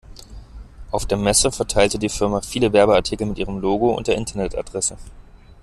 Auf der Messe verteilte die Firma viele Werbeartikel mit ihrem Logo und der Internetadresse.